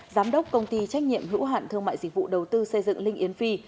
giám đốc công ty trách nhiệm hữu hạn thương mại dịch vụ đầu tư xây dựng linh yến phi